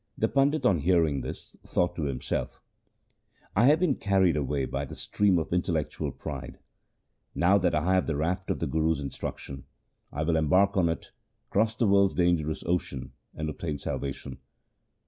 1 The Pandit, on hearing this, thought to himself, ' I have been carried away by the stream of intel lectual pride. Now that I have the raft of the Guru's instruction, I will embark on it, cross the world's dangerous ocean, and obtain salvation.'